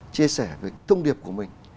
chia sẻ về thông điệp của mình